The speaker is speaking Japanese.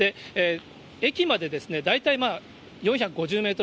駅までですね、大体４５０メート